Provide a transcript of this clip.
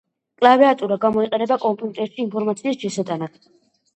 კლავიატურა გამოიყენება კომპიუტერში ინფორმაციის შესატანად